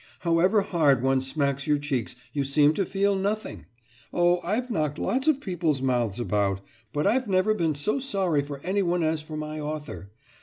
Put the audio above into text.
However hard one smacks your cheeks you seem to feel nothing! Oh, I've knocked lots of people's mouths about, but I've never been so sorry for anyone as for my author.